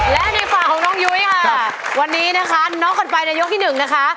และในฝั่งของน้องยุ้ยค่ะวันนี้นะคะน็อกกันไปในยกที่หนึ่งนะคะ